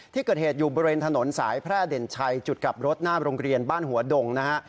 ที่เกิดเหตุอยู่บริเวณถนนสายแพร่เด่นชัยจุดกลับรถหน้าโรงเรียนบ้านหัวดงนะฮะ